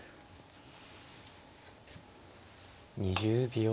２０秒。